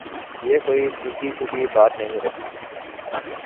یہ کوئی ڈھکی چھپی بات نہیں رہی۔